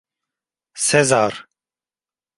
Sezar!